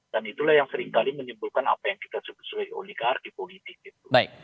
dan itulah yang seringkali menimbulkan apa yang kita sebut sebagai oligarki politik